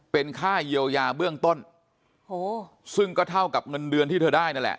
เป็นค่าเยียวยาเบื้องต้นซึ่งก็เท่ากับเงินเดือนที่เธอได้นั่นแหละ